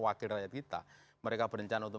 wakil rakyat kita mereka berencana untuk